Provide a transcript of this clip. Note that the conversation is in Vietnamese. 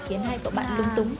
khiến hai cậu bạn lưng túng